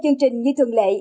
chương trình như thường lệ